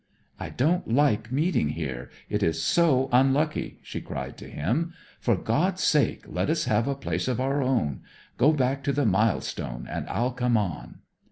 'I don't like meeting here it is so unlucky!' she cried to him. 'For God's sake let us have a place of our own. Go back to the milestone, and I'll come on.'